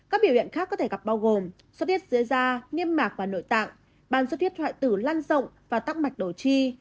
các biểu hiện khác có thể gặp bao gồm suốt huyết dưới da nghiêm mạc và nội tạng bàn suốt huyết hoại tử lan rộng và tắc mạch đầu chi